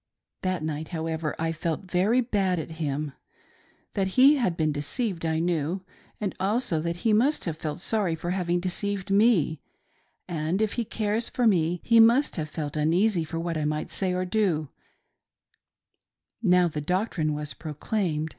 That night, however, I felt very bad at him. That he had been deceived, I knew, and also that he must have felt sorry for having' deceived me ; and, if he cares for me, he must have felt uneasy for what I might say or do,, now the doctrine was proclaimed.